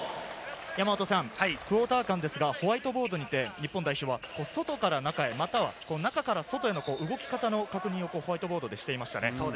クオーター間ですが、ホワイトボードで日本代表は外から中へ、または中から外への動き方の確認をホワイトボードでしていましたね。